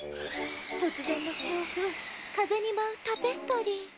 突然の強風風に舞うタペストリー。